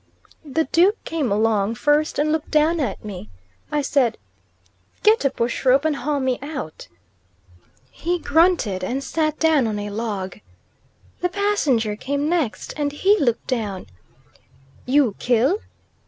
The Duke came along first, and looked down at me. I said, "Get a bush rope, and haul me out." He grunted and sat down on a log. The Passenger came next, and he looked down. "You kill?"